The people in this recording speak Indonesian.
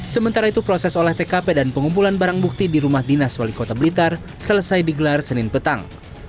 sementara itu proses olah tkp dan pengumpulan barang bukti di rumah dinas wali kota blitar selesai digelar senin petang